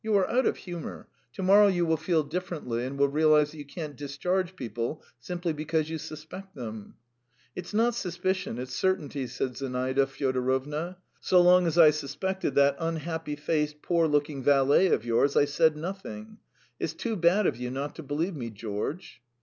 "You are out of humour. To morrow you will feel differently, and will realise that you can't discharge people simply because you suspect them." "It's not suspicion; it's certainty," said Zinaida Fyodorovna. "So long as I suspected that unhappy faced, poor looking valet of yours, I said nothing. It's too bad of you not to believe me, George."